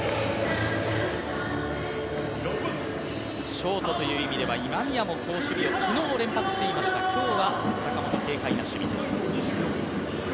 ショートという意味では今宮も好守備をしていました、今日は坂本、軽快な守備。